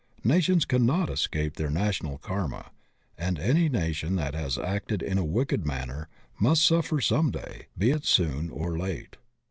Nations cannot escape their national karma, and any nation that has acted in a wicked manner must suffer some day, be it soon or late.